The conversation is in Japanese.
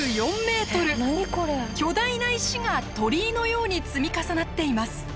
巨大な石が鳥居のように積み重なっています。